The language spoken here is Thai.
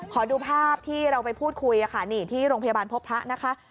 ขอดูภาพที่เราไปพูดคุยค่ะนี่ที่โรงพยาบาลพบพระนะคะ